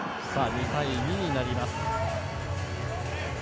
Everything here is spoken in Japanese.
２対２になります。